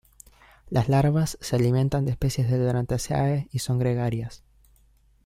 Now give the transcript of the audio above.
Las larvas se alimentan de especies de "Loranthaceae" y son gregarias.